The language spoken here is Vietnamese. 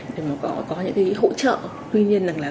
để có những hỗ trợ tuy nhiên